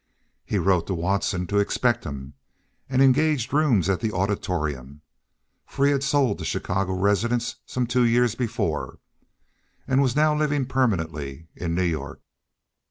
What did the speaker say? He wrote Watson to expect him, and engaged rooms at the Auditorium, for he had sold the Chicago residence some two years before and was now living permanently in New York.